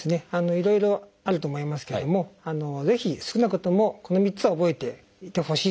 いろいろあると思いますけどもぜひ少なくともこの３つは覚えていてほしいというのがあります。